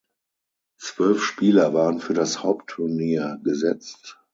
Zwölf Spieler waren für das Hauptturnier gesetzt.